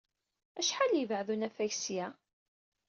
Acḥal ay yebɛed unafag seg-a?